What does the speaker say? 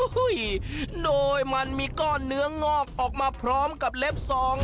โดยมันมีก้อนเนื้องอกออกมาพร้อมกับเล็บสอง